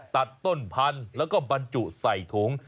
ตัดต้นพันธุ์แล้วก็บรรจุใส่ถุง